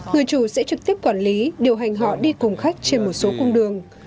người chủ sẽ trực tiếp quản lý điều hành họ đi cùng khách trên một số cung đường